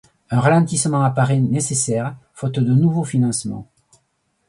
Un ralentissement apparaît nécessaire, faute de nouveaux financements.